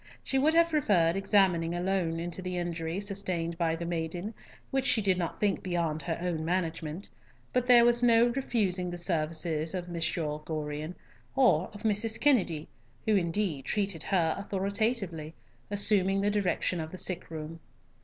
She would have preferred examining alone into the injury sustained by the maiden, which she did not think beyond her own management; but there was no refusing the services of Maitre Gorion, or of Mrs. Kennedy, who indeed treated her authoritatively, assuming the direction of the sick room.